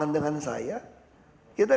saya tidak bisa berbicara dengan saya